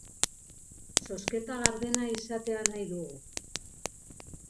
Zozketa gardena izatea nahi dugu.